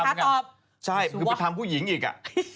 แม่ค้าตอบใช่คือไปทำผู้หญิงอีกอะ